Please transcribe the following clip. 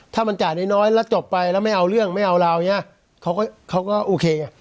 ถ้ามันจ่ายน้อยน้อยแล้วจบไปแล้วไม่เอาเรื่องไม่เอาราวอย่างเงี้ยเขาก็เขาก็โอเคไง